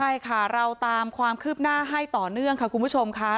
ใช่ค่ะเราตามความคืบหน้าให้ต่อเนื่องค่ะคุณผู้ชมค่ะ